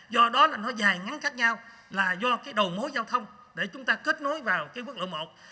do đó là nó dài ngắn cách nhau là do cái đầu mối giao thông để chúng ta kết nối vào cái quốc lộ một